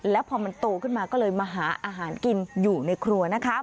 แล้วพอมันโตขึ้นมาก็เลยมาหาอาหารกินอยู่ในครัวนะคะ